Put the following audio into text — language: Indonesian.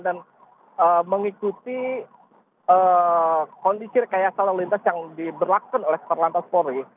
dan mengikuti kondisi rekayasa lalu lintas yang diberlakukan oleh perlantasan polri